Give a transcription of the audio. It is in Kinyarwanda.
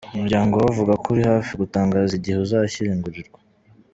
Umuryango we uvuga ko uri hafi gutangaza igihe azashyingurirwa.